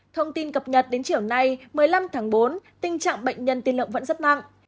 thông tin cập nhật đến chiều nay một mươi năm tháng bốn tình trạng bệnh nhân tiên lượng vẫn rất nặng